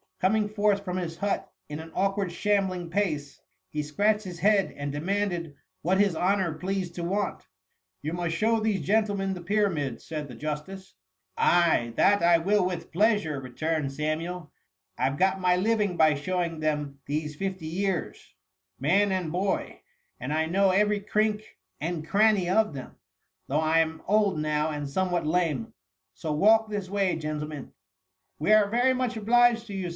Coming forth from his hut in an awkward shambling pace, he scratched his head, and demanded what bis lionour pleased to want. 200 THE MUMMT. i6 You must show these gentlemen the Py ramids,^ said the Justice. " Ay, that I will with, pleasure r returned Samuel ;" I've got my living by showing them these fifty years, man and boy ; and I know every crink and cranny of them^ though I'm old now and somewhat lame. So walk this way, gentlemen.'' We are very much obliged to you.